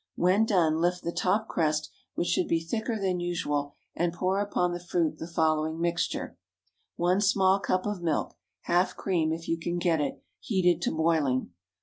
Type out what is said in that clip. When done, lift the top crust, which should be thicker than usual, and pour upon the fruit the following mixture:— 1 small cup of milk—half cream, if you can get it, heated to boiling.